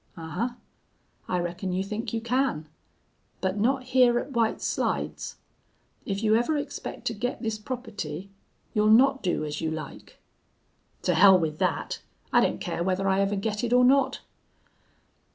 "'Ahuh! I reckon you think you can. But not hyar at White Slides. If you ever expect to get this property you'll not do as you like.' "'To hell with that. I don't care whether I ever get it or not.'